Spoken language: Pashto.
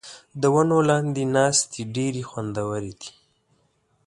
د ونو لاندې ناستې ډېرې خوندورې دي.